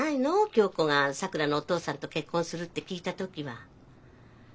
響子がさくらのお父さんと結婚するって聞いた時は。